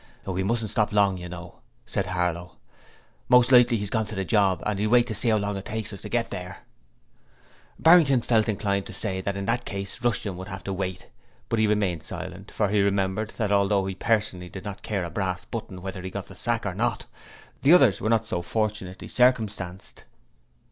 'We mustn't stop long, you know,' said Harlow. 'Most likely he's gone to the job, and he'll wait to see how long it takes us to get there.' Barrington felt inclined to say that in that case Rushton would have to wait, but he remained silent, for he remembered that although he personally did not care a brass button whether he got the sack or not, the others were not so fortunately circumstanced.